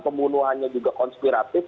pembunuhannya juga konspiratif